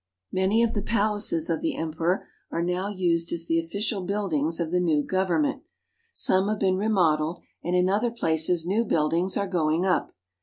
Many of the palaces of the Emperor are now used as the official buildings of the new gov ernment. Some have been re modeled, and in other places new buildings are going up.